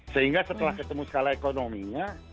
sehingga setelah ketemu skala ekonominya